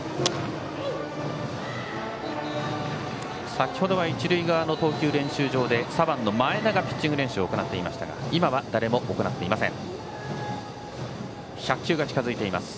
先程は一塁側の投球練習場で左腕の前田がピッチング練習を行っていましたが今は誰も行っていません。